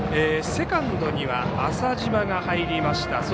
セカンドには、浅嶋が入りました。